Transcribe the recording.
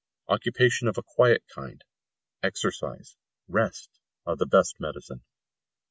Occupation of a quiet kind, exercise, rest, are the best medicine.